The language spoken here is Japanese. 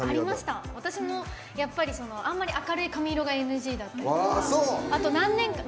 私も、あんまり明るい髪色がＮＧだったりとか。